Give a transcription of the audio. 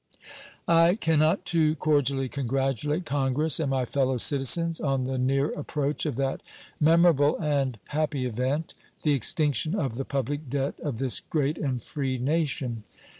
I can not too cordially congratulate Congress and my fellow citizens on the near approach of that memorable and happy event the extinction of the public debt of this great and free nation.